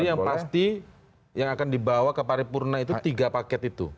jadi yang pasti yang akan dibawa ke paripurna itu tiga paket itu